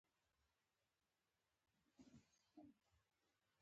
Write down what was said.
خلیفه ورنه پوښتنه وکړه: د پېغمبرۍ معجزه لرې.